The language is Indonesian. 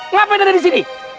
ngapain ada di sini